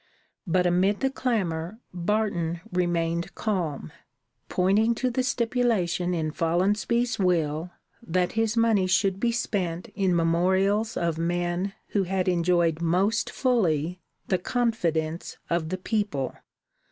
But amid the clamor Barton remained calm, pointing to the stipulation in Follonsby's will that his money should be spent in memorials of men who had enjoyed most fully the confidence of the people.